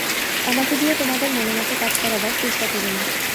আমাকে দিয়ে তোমাদের মনোমত কাজ করাবার চেষ্টা করো না।